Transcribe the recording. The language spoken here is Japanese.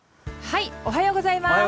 おはようございます。